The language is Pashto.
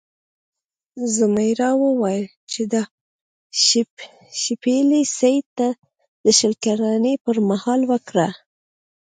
ځمیرا وویل چې دا شپیلۍ سید ته د شل کلنۍ پر مهال ورکړه.